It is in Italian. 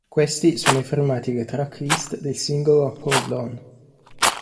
Questi sono i formati e le tracklist del singolo "Hold On".